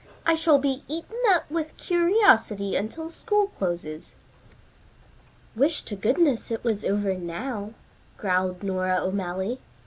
"I shall be eaten up with curiosity until school closes." "Wish to goodness it was over now," growled Nora O'Malley.